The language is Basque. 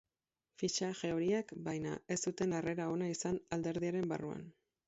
Fitxaje horiek, baina, ez zuten harrera ona izan alderdiaren barruan.